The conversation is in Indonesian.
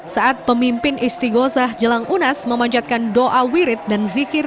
saat pemimpin istighosah jelang unas memanjatkan doa wirid dan zikir